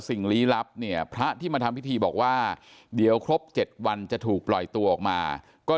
ลี้ลับเนี่ยพระที่มาทำพิธีบอกว่าเดี๋ยวครบ๗วันจะถูกปล่อยตัวออกมาก็